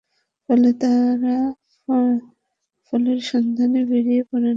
ফলে তাঁরা ফলের সন্ধানে বেরিয়ে পড়েন।